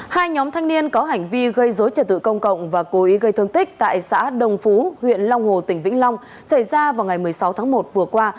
hai nhóm thanh niên có hành vi gây dối trật tự công cộng và cố ý gây thương tích tại xã đồng phú huyện long hồ tỉnh vĩnh long xảy ra vào ngày một mươi sáu tháng một vừa qua